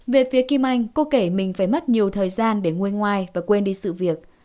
về phía kim anh cô kể mình phải mất nhiều thời gian để ngôi ngoài và quên đi sự việc